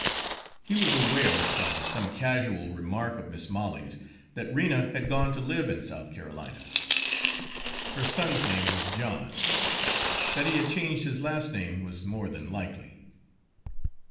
He was aware, from some casual remark of Mis' Molly's, that Rena had gone to live in South Carolina. Her son's name was John that he had changed his last name was more than likely.